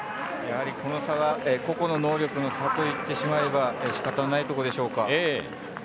この差は個々の能力の差と言ってしまえばしかたないところでしょうか。